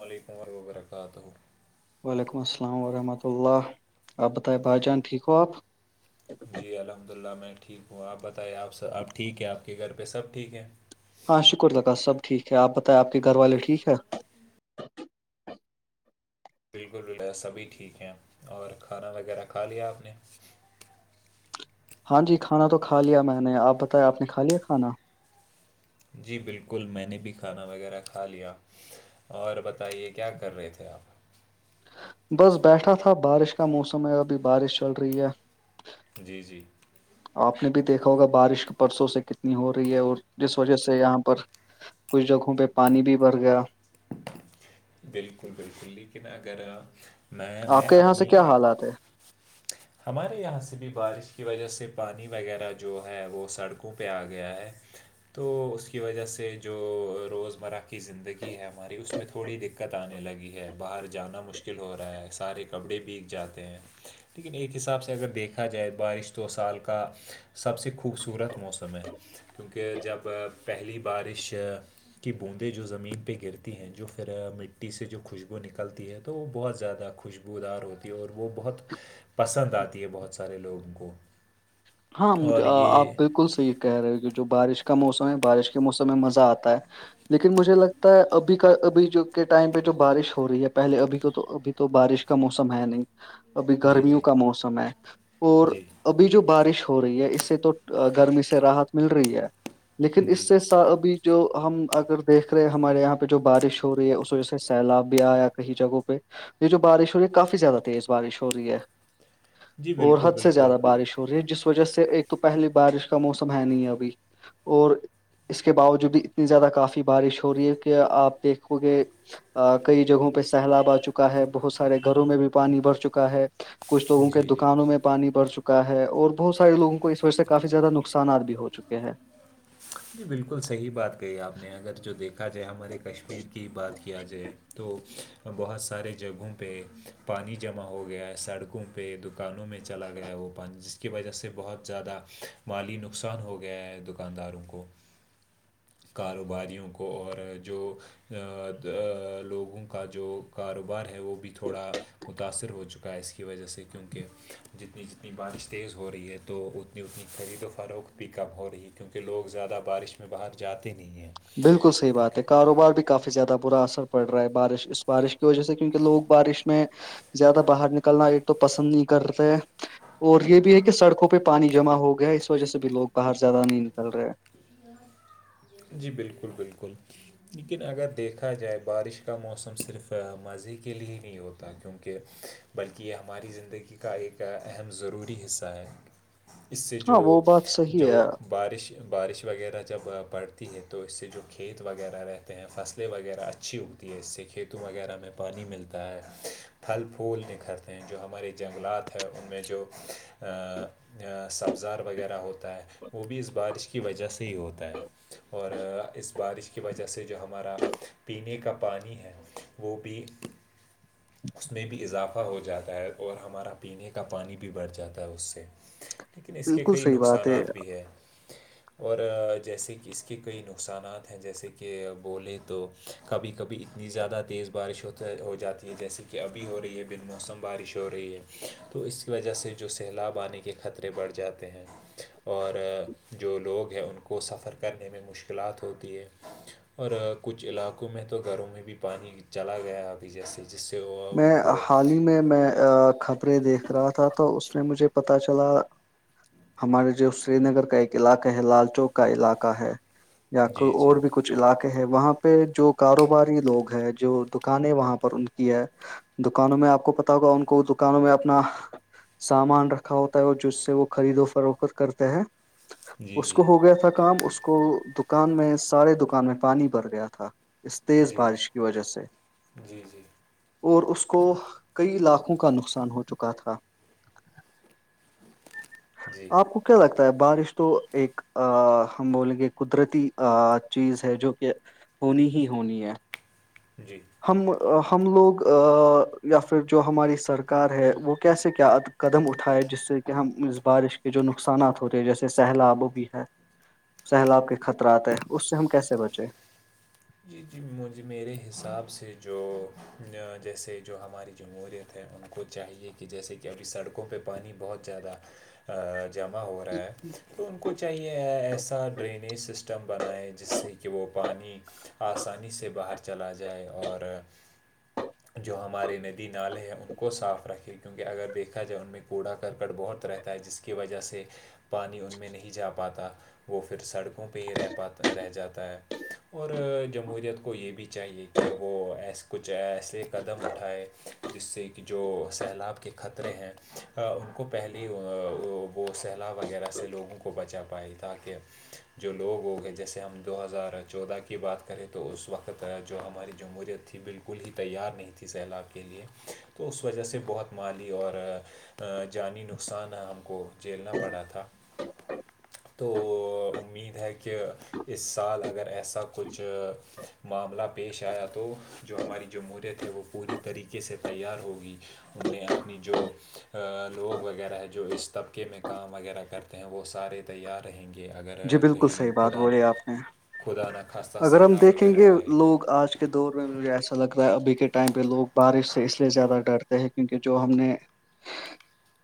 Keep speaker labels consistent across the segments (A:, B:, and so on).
A: وعلیکم و وبرکاتہ
B: وعلیکم السلام ورحمۃ اللہ آپ بتائائے بھائی جان ٹھیک ہو آپ
A: جی الحمد للہ میں ٹھیک ہوں آپ بتائیے آپ آب ٹھیک ہے آپ کے گھر پہ سب ٹھیک ہیں
B: ہاں شکر لکات سب ٹھیک ہے آپ بتائیں آپ کے گھر والے ٹھیک ہے
A: بالکل ب سبھی ٹھیک ہیں اور کھانا وغیرہ کھا لیا آپ نے
B: ہاں جی کھانا تو کھا لیا میں نے آپ بتایا آپ نے کھا لیا کھانا
A: جی بالکل میں نے بھی کھانا وغیرہ کھا لیا اور بتائیے کیا کر رہے تھے آپ
B: بس بیٹھا تھا بارش کا موسم ہے ابھی بارش چل رہی ہے
A: جی جی
B: آپ نے بھی دیکھا ہوگا بارش پرسوں سے کتنی ہو رہی ہے اور جس وجہ سے یہاں پر کچھ جگہوں پہ پانی بھی بھر گیا
A: بالکل بالکل لیکن اگر میں
B: آپ
A: میں
B: کے یہاں سے
A: اپنی
B: کیا
A: آ
B: حالات ہے
A: ہمارے یہاں سے بھی بارش کی وجہ سے پانی وغیرہ جو ہے وہ سڑکوں پہ آ گیا ہے تو اس کی وجہ سے جو روزمرہ کی زندگی ہے ہماری اس میں تھو تھوڑی دقت آنے لگی ہے باہر جانا مشکل ہو رہا ہے سارے کپڑے بیگ جاتے ہیں لیکن ایک حساب سے اگر دیکھا جائے بارش تو سال کا سب سے خوبصورت موسم ہے کیونکہ جب پہلی بارش کی بوندیں جو زمین پہ گرتی ہیں جو پھر مٹی سے جو خوشبو نکلتی ہے تو وہ بہت زیادہ خوشبودار ہوتی ہے اور وہ بہت پسند آتی ہے بہت سارے لوگوں کو
B: ہاں مجھ
A: اور
B: آپ
A: یہ
B: بالکل صحیح کہہ رہے ہو کہ جو بارش کا موسم ہے بارش کے موسم میں مزہ آتا ہے لیکن مجھے لگتا ہے ابھی کا ابھی کے ٹائم پہ جو بارش ہو رہی ہے پہلے ابھی کو تو ابھی تو بارش کا موسم ہے نہیں ابھی
A: جی
B: گرمیوں
A: جی
B: کا موسم ہے اور
A: جی
B: ابھی جو بارش ہو رہی ہے اس سے تو گرمی سے راحت مل رہی ہے لیکن
A: جی
B: اس سے ابھی جو ہم اگر دیکھ رہے ہیں ہمارے یہاں پہ جو بارش ہو رہی ہے اس وجہ سے سیلاب بھی آیا کی جگہوں پہ یہ جو بارش ہو رہی ہے کافی زیادہ تیز بارش ہو رہی ہے
A: جی
B: اور
A: بالکل
B: حد سے
A: بالکل
B: زیادہ بارش ہو رہی ہے جس وجہ سے ایک تو پہل بارش کا موسم ہے نہیں ابھی اور اس کے باوجود بھی اتنی زیادہ کافی بارش ہو رہی ہے کہ آپ دیکھو گے کئی جگہوں پہ سیلاب آ چکا ہے بہت سارے گھروں میں بھی پانی بڑ چکا ہے کچھ لوگوں کے
A: جی جی
B: دکانوں میں پانی بھر چکا ہے اور بہت سارے لگوں کو اس وجہ سے کافی زیادہ نقصانات بھی ہو چکے ہیں
A: جی بالکل صحیح بات کہی آپ نے اگر جو دیکھا جائے ہمارے کشمیر کی بات کیا جائے تو بہت سارے جگہوں پہ پانی جمع ہو گیا ہے سڑکوں پہ دکانوں میں چلا گیا ہے وہ پان کی وجہ سے بہت زیادہ مالی نقصان ہو گیا ہے دکانداروں کو کاروباریوں کو اور جو لوگوں کا جو کاروبار ہے وہ بھی تھوڑا متاأثر ہو چکا کا اس کی وجہ سے کیونکہ جتنی جتنی بارش تیز ہو رہی ہے تو اتنی اتنی خرید و فروخ پک اپ ہو رہی ہے کیونکہ لوگ زیادہ بارش میں باہر جاتے نہیں ہیں
B: بالکل صحیح بات
A: کیونکہ
B: ہے کاروبار بھی کافی زیادہ برا اثر پڑ رہا ہے بارش اس بارش کی وجہ سے کیونکہ لوگ بارش میں زیادہ باہر نکلنا ایک تو پسند نہیں کرتے اور یہ بھی ہے کہ سڑکوں پہ پانی جمع ہو گیا ہے اس وجہ سے بھی لوگ باہر زیادہ نہیں نکل رہے ہیں
A: جی جی بالکل بالکل لیکن اگر دیکھا جائے بارش کا موسم صرف مزے کے لئے ہی نہیں ہوتا کیونکہ بلکہ یہ ہماری زندگی کا ایک اہم ضروری حصہ ہے اس سے
B: ہاں
A: جو
B: وہ بات
A: جو
B: صحیح ہے
A: بارش بارش وغیرہ جب پڑ ہے تو اس سے جو کھیت وغیرہ رہتے ہیں فصلیں وغیرہ اچھی ہوتی ہے اس سے کھیت قتو وغیرہ میں پانی ملتا ہے پھل پھول نکھھرتے ہیں جو ہمارے جنگلات ہیں ان میں جو ا [inaudible] سبزار وغیرہ ہوتا ہے وہ بھی اس بارش کی وجہ سے ہی ہوتا ہے اور اس بارش کی وجہ سے جو ہمارا پینے کا پانی ہے وہ بھی اس میں بھی اضافہ ہو جاتا ہے اور ہمارا پینے کا پانی بھی بڑھ جاتا ہے اس سے لیکن اس کے
B: بالکل
A: کئی
B: صحیح بات ہے
A: نقصانات بھی ہیں اور جیسے کہ اس کے کئی نقصانات ہیں جیسے کہ بولیں تو کبھی کبھی اتنی زیادہ تیز بارش ہو ہو جاتی جیسے کہ ابھی ہو رہی ہے بال موسم بارش ہو رہی ہے تو اس کی وجہ سے جو سیلاب آنے کی کے خطرے بڑھ جاتے ہیں اور جو لوگ ہیں ان کو سفر کرنے میں مشکلات ہوتی ہے اور کچھ علاقوں میں تو گھروں میں بھی پانی چلا گیا ابھی جیسے جس سے وہ ان
B: میں
A: کو
B: حال ہی میں خبریں دیکھ رہا تھا تو اس نے مجھے پتا چلا ہمارے جو سری نگر کا ایک علاقہ ہے لال چوک کا علاقہ ہے یا کو
A: جی جی
B: اور بھی کچھ علاقے ہے وہاں پہ جو کاروباری لوگ ہے جو دکانیں وہاں پر ان کی ہے دکانوں میں آپ کو پت ہوگا ان کو دکانوں میں اپنا سامان رکھا ہوتا ہے اور جس سے وہ خرید و فروخت کرتے ہے
A: جی
B: اس
A: جی
B: کو ہو گیا تھا کام اس کو دکان میں سارے دکان میں پانی بھر گیا تھا اس تیز
A: جی
B: بارش کی وجہ سے
A: جی جی
B: اور اس کو کئی لاکھوں کا نقصان ہو چکا تھا
A: جی
B: آپ کیا لگتا ہے بارش تو ایک ہم بولیں گے قدرتی چیز ہے جو کہ ہونی ہی ہونی ہے
A: جی
B: ہم ہم لوگ یا پھر جو ہماری سرکار ہے وہ کیسے کیاد قدم اٹھائے جس سے کہ ہم اس بارش کے جو نقصانات ہو رہے ہیں جیسے سہلاب بھی ہے سیلاب کے خطرات ہے اس سے ہم کیسے بچیں
A: جی جی مجھے میرے حساب سے جو جیسے جو ہماری جمہور ہیں ان کو چاہیے کہ جیسے کہ ابھی سڑکوں پہ پانی بہت زیادہ جمع ہو رہا ہے تو ان کو چاہیے ایسا- ڈرینیج سسٹم بنائے جس سے کہ وہ پانی آسانی سے باہر چلا جائے اور جو ہمارے ندی نالے ہیں ان کو صاف رکھے کیونکہ اگر دیکھا جائے ان میں کوڑا کرکٹ بہت رہتا ہے جس کے- کی وجہ سے پانی ان میں نہیں جا پاتا- وہ پھر سڑکوں پہ ہی رہ پات رہ جاتا ہے اور- جمہوریت کو یہ بھی چاہیے کہ وہس کچھ ایسلے قدم اٹھائے جس سے کہ جو سیلاب کے خطرے ہیں ان کو پہلیے وہ سیلاب وغیرہ سے لوگوں کو بچا پائی تاکہ- جو لوگ ہو گئے جیسے ہم دو ہزار چودہ کی بات کرے تو اس وقت جو ہماری جمہوریت تھی بالکل ہی تیار نہیں تھی سیلاب کے لیے- تو اس وجہ سے بہت مالی اور- جانی نقصان ہم کو جھیلنا پڑا تھا- تو امید ہے کہ اس سال اگر ایسا کچھ- معاملہ پیش آیا تو جو ہماری جمہورت ہے وہ پوری طریقے سے تیار ہوگی ان نے اپنی جو لوگ وغیرہ ہے جو اس طبقے میں کام وغیرہ کرتے ہیں وہ سارے- تیار رہیں گے اگر
B: جی بالکل
A: کہیں
B: صحیح بات
A: خدا
B: بولی آپ نے
A: -خدا ن
B: اگر ہم دیکھیں گے لوگ آج کل کے دور میں مجھے ایسا لگتا ہے ابھی کے ٹائم پہ لوگ بارش سے اس لیے زیادہ ڈرتے ہیں کیونکہ جو ہم نے-
A: [inaudible]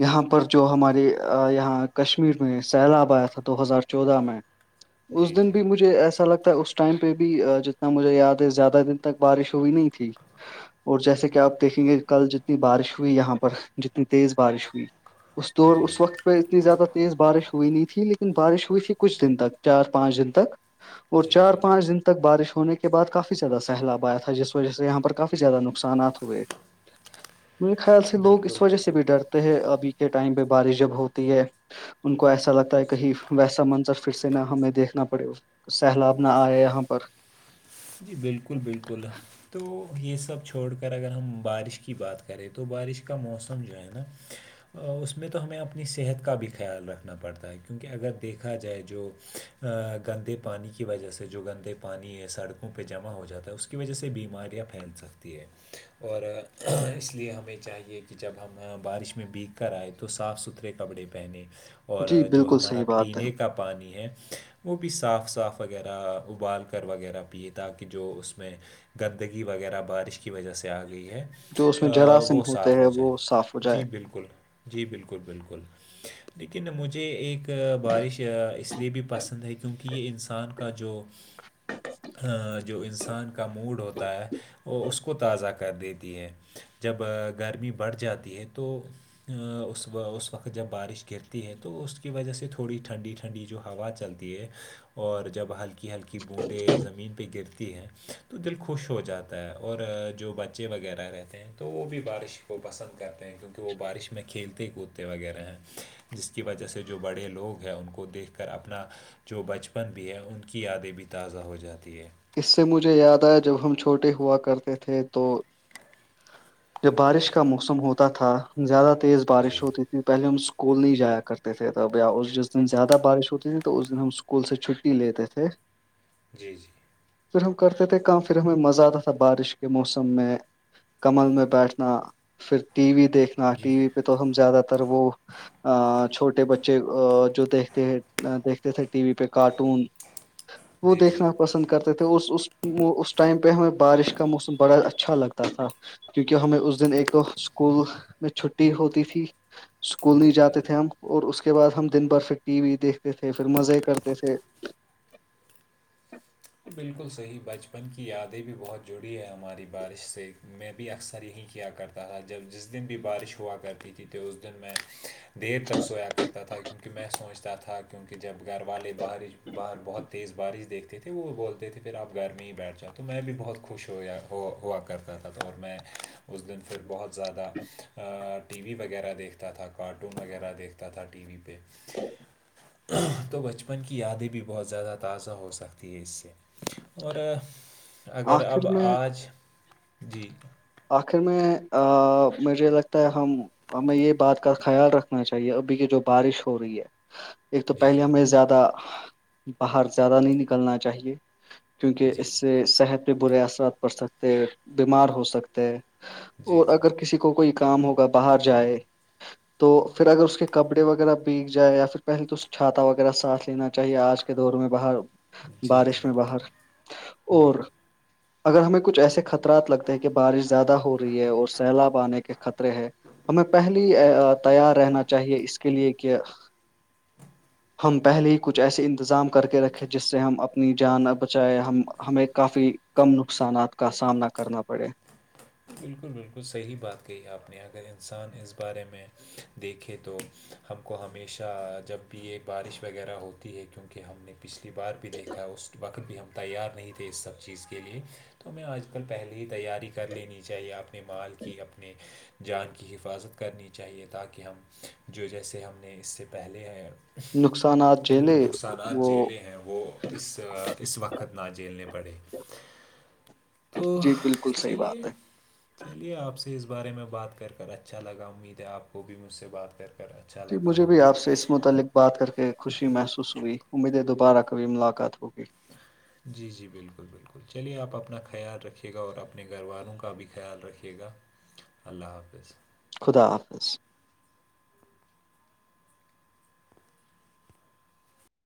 B: یہاں پر جو ہمارے یہاں کشمیر میں سیلاب آیا تھا دو ہزار- چودہ میں اس
A: جی
B: دن
A: جی
B: بھی مجھے ایسا لگتا ہے اس- اس ٹائم پہ بھی جتنا مجھے یاد ہے زیادہ دن تک بارش ہوئی نہیں تھی اور جیسے کہ اپ دیکھیں گے کل جتنی بارش ہوئی یہاں پر جتنی تیز بارش ہوئی- اس دور
A: جی
B: اس وقت پہ اتنی زیادہ تیز بارش ہوئی نہیں تھی لیکن بارش ی کچھ دن تک چار پانچ دن تک اور
A: جی
B: چار
A: جی
B: پانچ دن تک- تک بارش ہونے کے بعد کافی زیادہ سیلاب آیا تھا جس وجہ سے یہاں پر کافی زیادہ نقصانات ہوئے-
A: [inaudible]
B: میرے خیال سے لوگ
A: بالکل
B: اس وجہ سے بھی
A: بالکل
B: ڈرتے- ابھی کے ٹائم پہ بارش جب ہوتی ہے ان کو ایسا لگتا ہے کہیں- ویسا منظر پھر سے نہ ہمیں دیکھنا پڑے سیلاب نہ آئے یہاں پر
A: جی بالکل- بالکل تو یہ سب چھوڑ کر اگر ہم بارش کی بات کریں تو بارش کا موسم جو ہے نا- اس میں تو ہمیں اپنی صحت کا بھی خیال رکھنا پڑتا ہے کیونکہ اگر دیکھا جائے جو- گندے پانی کی وجہ سے جو گندے پانی ہے سڑک پہ جمع ہو جاتا ہے اس کی وجہ سے بیماریاں پھیل سکتی ہے- اور اس لیے ہمیں چاہیے کہ جب ہم بارش میں بیگ کر آئے تو- تو صاف ستھرے کپڑے پہنے اور
B: جی
A: جو
B: بالکل
A: ہمارا
B: صحیح بات ہے
A: پینے- کا پانی ہے وہ بھی صاف- صاف وغیرہ ابال کر وغیرہ پیے تاکہ جو اس میں گندگی وغیرہ بارش کی وجہ سے آ گئی ہے
B: جو اس میں جراثم
A: وہ
B: ہوتے
A: صاف
B: ہیں
A: ہو جائے
B: وہ صاف ہو
A: جی
B: جائے
A: بالکل- جی بالکل- بالکل لیکن مجھے ایک بارش اس لیے بھی پسند ہے کیونکہ یہ انسان کا جو-
B: اٹھیکا
A: جو انسان کا موڈ ہوتا ہے وہ اس کو تازہ- کر دیتی ہے جب گرمی بڑھ جاتی ہے تو- اس وقت جب بارش گرتی ہے تو اس کی وجہ سے تھوڑی ٹھنڈیھ- ھنڈی جو ہوا چلتی ہے اور جب ہلکی- ہلکی بوندیں زمین زمین پہ گرتی ہے تو دل خوش ہو جاتا ہے اور جو بچے وغیرہ رہتے ہیں تو وہ بھی بارش وہ پسند کرتے ہیں کیونکہ وہ بارش میں کھیلتے کودتے وغیرہ ہیں جس کی وجہ سے جو بڑے لوگ ہیں ان کو دیکھ کر اپنا جو بچپن بھی ہے ان کی یادیں بھی تازہ ہو جاتی ہے
B: اس سے مجھے یاد آیا جب ہم چھوٹے ہوا کرتے تھے تو جب بارش کا موسم ہوتا تھا زیادہ تیز
A: جی
B: بارش ہوتی تھی پہلے ہم اسکول نہیں جایا کرتے تھے ابیا جس دن زیادہ بارش ہوتی تھی تو اس دن ہم اسکول سے چھٹی لیتے تھے
A: جی جی
B: پھر ہم کرتے تھے کام پھر ہمیں مزہ آتا تھا بارش کے موسم میں کمل میں بیٹھنا پھر ٹی وی دیکھنا
A: جی
B: ٹی وی پہ تو ہم زیادہ تر وہ چھوٹے بچے جو دیکھتے ہیں دیکھتے تھے ٹی وی پہ کارٹون وہ
A: جی جی
B: دیکھنا پسند کرتا اس ٹائم پہ ہمیں بارش کا موسم بڑا اچھا لگتا تھا کیونکہ ہمیں اس دن ایک تو اسکول میں چھٹی ہوتی تھی اسکول نہیں
A: جی جی
B: جاتے تھے ہم اور اس کے بعد ہم دن بھر پھر ٹی وی دیکھتے تھے پھر مزے کرتے تھے
A: بالکل صحیح بچپن کی یادیں بھی بہت جڑی ہیں ہماری بارش سے میں بھی اکثر یہی کیا کرتا تھا جب جس دن بھی بارش ہوا کرتی تھی تو اس دن میں دیر تک سویا کرتا تھا کیونکہ میں سوچتا تھا کیونکہ جب گھر والے باہر باہر بہت تیز بارش دیکھتے تھے تھے وہ بولتے تھے پھر آپ گھر میں ہی بیٹھ جاؤ تو میں بھی بہت خوش ہویا ہوا کرتا تھا اور میں اس دن پھر بہت زیادہ ٹی وی وغیرہ دیکھتا تھا کارٹون وغیرہ دیکھتا تھا ٹی وی پہ
B: ج [unintelligible]
A: تو بچپن کی یادیں بھی بہت زیادہ تازہ ہو سکتی ہے اس سے اور اگر اب
B: آخر میں
A: آج جی
B: آخر میں مجھے لگتا ہے ہم ہمیں یہ بات کا خیال رکھنا چاہیے ابھی کی جو بارش ہو رہی ہے ایک تو
A: جی
B: پہلے
A: جی
B: ہمیں زیادہ باہر زیادہ نہیں نکلنا چاہیے کیونکہ
A: جی
B: اس سے صحت پہ برے اثرات پڑ سکتے بیمار ہو سکتے
A: جی
B: اور
A: جی
B: اگر کسی کو کوئی کام ہوگا باہر جائے تو پھر اگر اس کے کپڑے وغیرہ بگ جائے یا پھر پہلے تو چھاتا وغیرہ ساتھ لینا چاہیے آج کل کے دور میں باہر
A: جی
B: بارش میں
A: جی
B: باہر اور
A: جی
B: اگر ہمیں کچھ ایسے خط رات لگتے ہیں کہ بارش زیادہ ہو رہی ہے اور سیلاب آنے کے خطرے ہے ہمیں پہلی تیار رہنا چاہیے اس کے لیے کہ
A: ہ [unintelligible]
B: ہم پہلے ہی کچھ ایسے انتظام کر کے رکھے جس سے ہم اپنی جان بچائے ہم ہمیں کافی کم نقصانات کا سامنا کرنا پڑے
A: بالکل بالکل صحیح بات کہی آپ نے اگر انسان اس بارے میں دیکھے تو ہم کو ہمیشہ جب بھی یہ بارش وغیرہ ہوتی ہے کیونکہ ہم نے پچھلی بار بھی دیکھا اس وقت بھی ہم تیار نہیں تھے اس سب چیز کے لیے تو ہمیں آج کل پہلے ہی تیاری کر لینی چاہیے اپنے مال کی اپنے جان کی حفاظت کرنی چاہیے تاکہ ہم جو جیسے ہم نے اس سے پہلے ہے
B: نقصانات
A: جو
B: جھیلے
A: نقصانات
B: وہ
A: جیلیں ہیں وہ اس اس وقت نہ جیلنے پڑے- تو,
B: جی بالکل صحیح بات
A: چلیے
B: ہے
A: چلیے آپ سے اس بارے میں بات کر کر اچھا لگا امید ہے آپ کو بھی مجھ سے بات کر کر اچھا
B: جی,
A: لگا
B: مجھے بھی
A: ہوگا
B: آپ سے اس متعلق بات کر کے خوشی محسوس ہوئی امیے دوبارہ کبھی ملاقات ہوگئی
A: [unintelligible] ج- جی بالکل- بالکل چلیے آپ اپنا خیال رکھیے گا اور اپنے گھر والوں کا بھی خیال رکھیے گا- اللہ حافظ
B: خدا حافظ